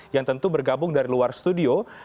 yang tentu bergabung dari luar studio